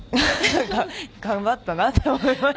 頑張ったなって思います。